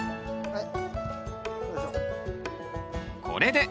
はい。